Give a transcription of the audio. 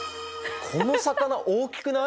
この魚大きくない？